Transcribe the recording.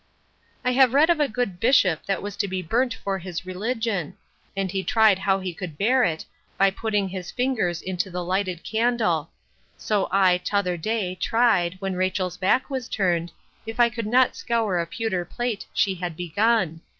I have read of a good bishop that was to be burnt for his religion; and he tried how he could bear it, by putting his fingers into the lighted candle: So I, t'other day, tried, when Rachel's back was turned, if I could not scour a pewter plate she had begun.